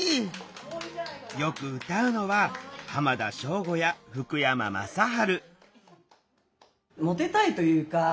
よく歌うのは浜田省吾や福山雅治